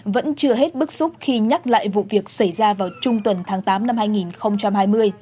vẫn chưa hết bức xúc khi nhắc lại vụ việc xảy ra vào trung tuần tháng tám năm hai nghìn hai mươi